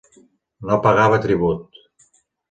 No pagava tribut.